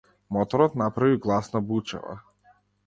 Моторот направи гласна бучава.